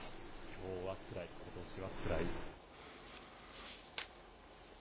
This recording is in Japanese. きょうはつらい、ことしはつらい。